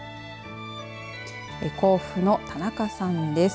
甲府の田中さんです。